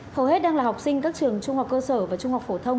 hầu hết đang là học sinh các trường trung học cơ sở và trung học phổ thông